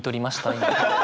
今。